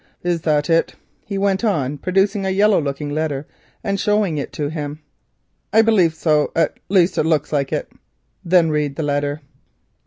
"Is that it?" he went on, producing a yellow looking letter and showing it to him. "I believe so—at least it looks like it." "Then read the letter."